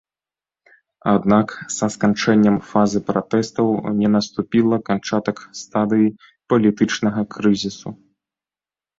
Аднак са сканчэннем фазы пратэстаў не наступіла канчатак стадыі палітычнага крызісу.